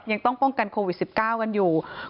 ยังต้องป้องกันโควิด๑๙กันอยู่